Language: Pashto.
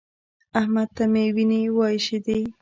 احمد ته مې وينې وايشېدې.